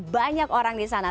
banyak orang di sana